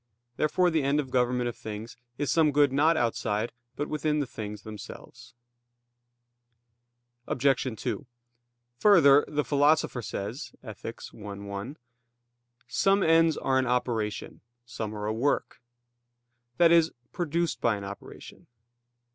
Therefore the end of government of things is some good not outside, but within the things themselves. Obj. 2: Further, the Philosopher says (Ethic. i, 1): "Some ends are an operation; some are a work" i.e. produced by an operation.